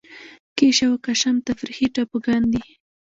کیش او قشم تفریحي ټاپوګان دي.